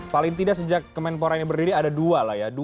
paling tidak sejak kemenpora ini berdiri ada dua lah ya